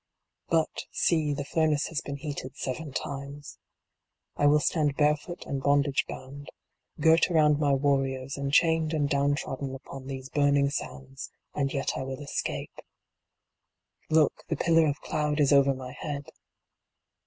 But, see, the furnace has been heated seven times. I still stand barefoot and bondage bound, girt around my warriors, and chained and down trodden upon these burning sands. And yet I will escape. Look, the pillar of cloud is over my head.